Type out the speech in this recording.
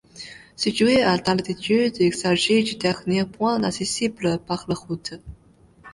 Situé à d'altitude, il s'agit du dernier point accessible par la route.